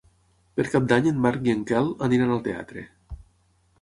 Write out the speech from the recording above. Per Cap d'Any en Marc i en Quel aniran al teatre.